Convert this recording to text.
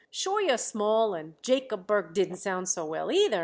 Scheuer Small and Jacob Burke didn't sound so well, neither.